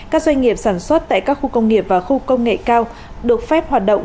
các doanh nghiệp sản xuất tại các khu công nghiệp và khu công nghệ cao được phép hoạt động